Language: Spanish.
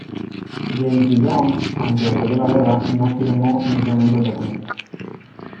James Guillaume, aunque apoyó la guerra, no firmó inicialmente el documento.